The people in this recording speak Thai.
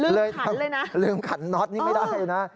ลืมขันเลยนะอ้าวลืมขันน็อตนี่ไม่ได้นะ